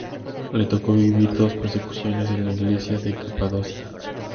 Le tocó vivir dos persecuciones en la Iglesia de Capadocia.